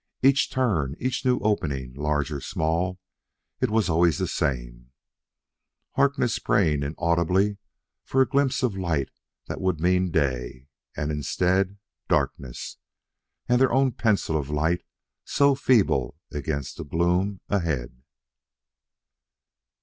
Each turn, each new opening, large or small it was always the same: Harkness praying inaudibly for a glimpse of light that would mean day; and, instead darkness! and their own pencil of light so feeble against the gloom ahead....